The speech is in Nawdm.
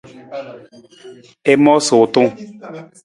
I moosa wutung.